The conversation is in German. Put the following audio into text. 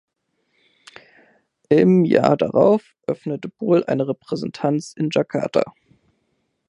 Im Jahr darauf öffnete BoI eine Repräsentanz in Jakarta.